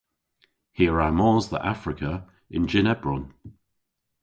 Hi a wra mos dhe Afrika yn jynn ebron.